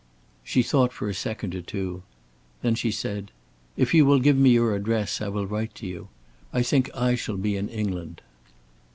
She thought for a second or two. Then she said: "If you will give me your address, I will write to you. I think I shall be in England."